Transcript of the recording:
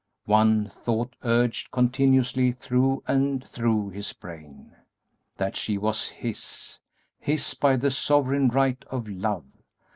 One thought surged continuously through and through his brain, that she was his, his by the sovereign right of love.